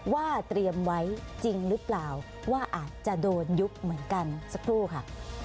ว่าเตรียมไว้จริงหรือเปล่าว่าอาจจะโดนยุบเหมือนกันสักครู่ค่ะ